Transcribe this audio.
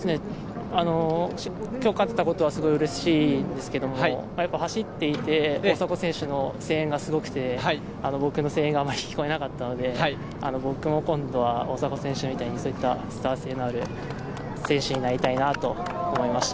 今日勝てたことはすごくうれしいですけれども、走っていて、大迫選手の声援がすごくて僕の声援があまり聞こえなかったので、僕も今度は大迫選手みたいにスター性のある選手になりたいなと思いました。